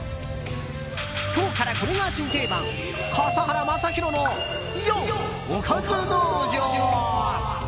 今日からこれが新定番笠原将弘のおかず道場。